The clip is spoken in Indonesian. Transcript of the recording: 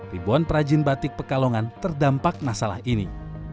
ribuan perajin batik pekalongan terdampak masalah ini